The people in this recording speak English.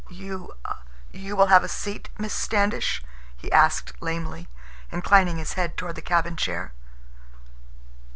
"You—you will have a seat, Miss Standish?" he asked lamely, inclining his head toward the cabin chair.